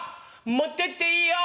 持ってっていいよ！」。